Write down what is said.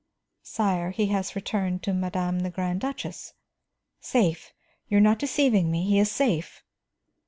"Sire, he has returned to madame the Grand Duchess." "Safe? You are not deceiving me, he is safe?"